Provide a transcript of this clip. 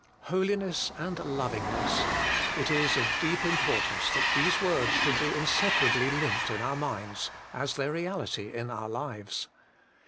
Holiness and lovingness it is of deep import ance that these words should he inseparably linked in our minds, as their reality in our lives.